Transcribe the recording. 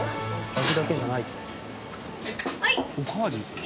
味だけじゃないって事？